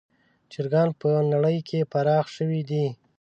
چرګان په نړۍ کې پراخ شوي دي.